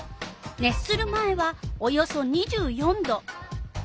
熱する前はおよそ２４℃。